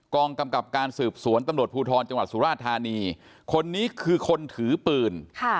กำกับการสืบสวนตำรวจภูทรจังหวัดสุราธานีคนนี้คือคนถือปืน